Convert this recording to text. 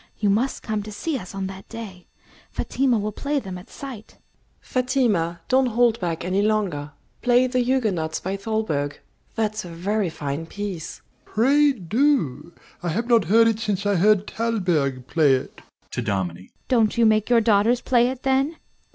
You must come to see us on that day. Fatima will play them at sight. MRS. N. Fatima, don't hold back any longer. Play "The Huguenots" by Thalberg: that's a very fine piece. DOMINIE. Pray do! I have not heard it since I heard Thalberg play it. AUNT (to Dominie). Don't you make your daughters play it then?